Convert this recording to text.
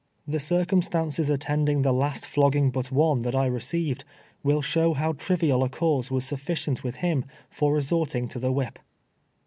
The circum Btances attending the last floo o'inic but one that I re ceived, will show how trivial a cause was sutUcicnt with him for resorting to the whip.